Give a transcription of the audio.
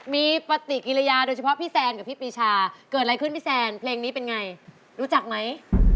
มีปฏิกิริยาโดยเฉพาะพี่แซนกับพี่ปีชาเกิดอะไรขึ้นพี่แซนเพลงนี้เป็นไงรู้จักไหม